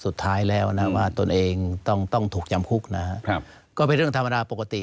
สุดท้ายแล้วนะว่าตนเองต้องต้องถูกจำคุกนะครับก็เป็นเรื่องธรรมดาปกติ